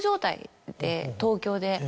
東京で。